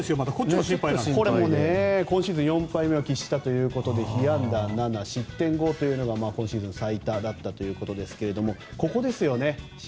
これも今シーズン４敗目を喫したということで被安打７、失点５というのが今シーズン最多だったということですが心配はここですね。